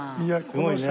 すごいね。